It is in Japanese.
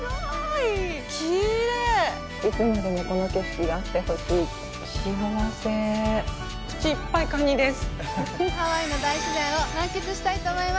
いつまでもこの景色があってほしい。